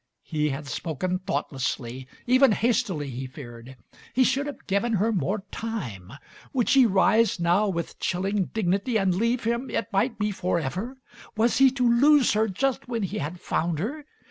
He had spoken thoughtlessly, even hastily, he feared; he should have given her more time. Would she rise now with chilling dignity and leave him, it might be forever? Was he to lose her just when he had found her?